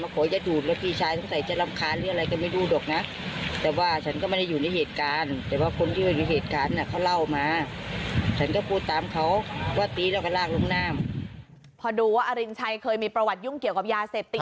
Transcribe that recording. พอดูว่าอรินชัยเคยมีประวัติยุ่งเกี่ยวกับยาเสพติด